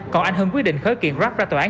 còn anh hưng quy định khởi kiện grab ra tòa án